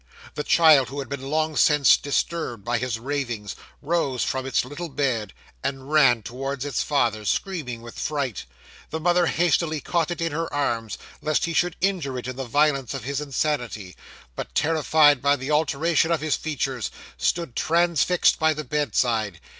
The child, who had been long since disturbed by his ravings, rose from its little bed, and ran towards its father, screaming with fright the mother hastily caught it in her arms, lest he should injure it in the violence of his insanity; but, terrified by the alteration of his features, stood transfixed by the bedside.